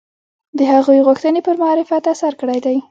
د هغوی غوښتنې پر معرفت اثر کړی دی